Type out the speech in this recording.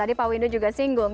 tadi pak windu juga singgung